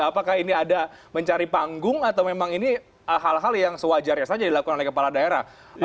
apakah ini ada mencari panggung atau memang ini hal hal yang sewajarnya saja dilakukan oleh kepala daerah